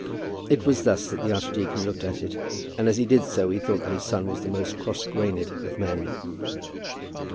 It was thus that the archdeacon looked at it, and as he did so, he thought that his son was the most cross grained of men.